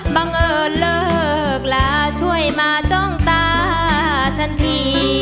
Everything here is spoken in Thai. บังเอิญเลิกลาช่วยมาจ้องตาฉันที